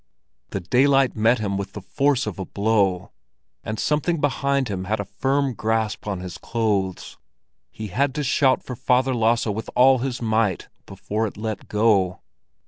The daylight met him with the force of a blow, and something behind him had a firm grasp on his clothes; he had to shout for Father Lasse with all his might before it let go.